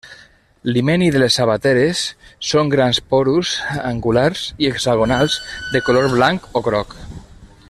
L'himeni de les sabateres són grans porus, angulars i hexagonals, de color blanc o groc.